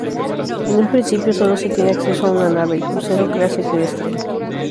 En un principio solo se tiene acceso a una nave, el crucero Clase Kestrel.